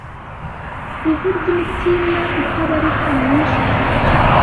ivu ryimitima itabarika myinshi cyane